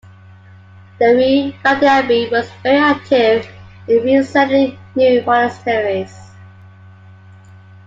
The re-founded abbey was very active in re-settling new monasteries.